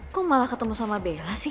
kok malah ketemu sama bea sih